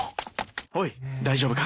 おい大丈夫か？